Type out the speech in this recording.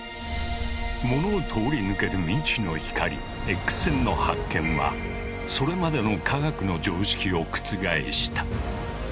物を通り抜ける未知の光Ｘ線の発見はそれまでの科学の常識を覆した。